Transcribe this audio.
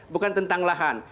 bukan tentang lahan